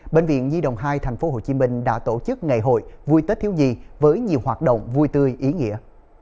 bệnh viện nhi đồng hai tp hcm đã tổ chức ngày hội vui tết thiếu nhi với nhiều hoạt động vui tươi ý nghĩa